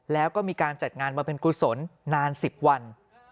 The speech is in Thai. แล้วก็มีการจัดงานมาเป็นกุศลนาน๑๐วัน